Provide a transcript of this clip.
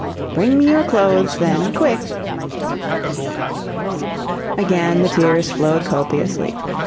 "Bring me your clothes, then quick!" Again the tears flowed copiously.